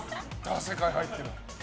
世界入ってる。